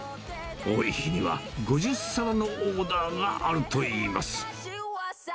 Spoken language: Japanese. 多い日には５０皿のオーダーがあるといいます。